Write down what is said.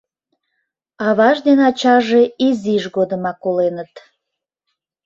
Аваж ден ачаже изиж годымак коленыт.